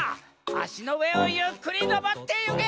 あしのうえをゆっくりのぼってゆけ！